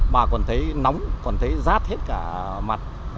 mà còn thấy nóng còn thấy rát hết cả mặt